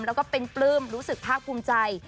แล้วก็เป็นปลื้มรู้สึกภาคภูมิใจ